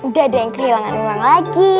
udah ada yang kehilangan uang lagi